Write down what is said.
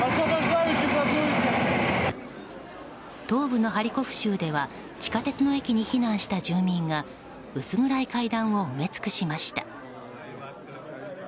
東部のハリコフ州では地下鉄の駅に避難した住民が薄暗い階段を埋め尽くしました。